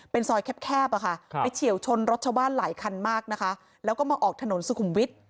เป็นซอยแคบอะค่ะไปเฉียวชนรถชาวบ้านหลายคันมากนะคะแล้วก็มาออกถนนสุขุมวิทย์